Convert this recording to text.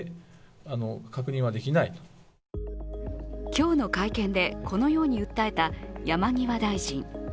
今日の会見で、このように訴えた山際大臣。